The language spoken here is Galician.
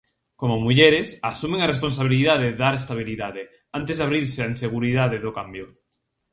Como mulleres, asumen a responsabilidade dar estabilidade, antes de abrirse a inseguridade do cambio.